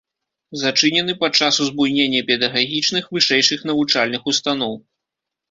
Зачынены падчас узбуйнення педагагічных вышэйшых навучальных устаноў.